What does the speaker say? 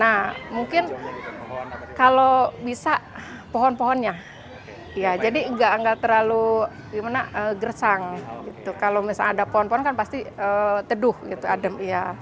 nah mungkin kalau bisa pohon pohonnya ya jadi nggak terlalu gimana gersang gitu kalau misalnya ada pohon pohon kan pasti teduh gitu adem iya